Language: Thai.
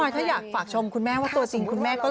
ถ้าอยากฝากชมคุณแม่ว่าตัวจริงคุณแม่ก็